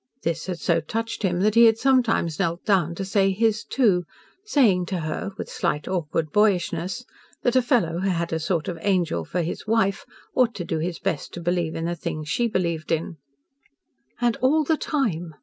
This had so touched him that he had sometimes knelt down to say his, too, saying to her, with slight awkward boyishness, that a fellow who had a sort of angel for his wife ought to do his best to believe in the things she believed in. "And all the time